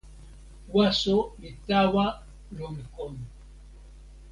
waso li tawa lon kon.